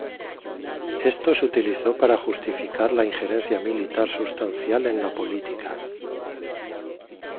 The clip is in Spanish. Esto se utilizó para justificar la injerencia militar sustancial en la política.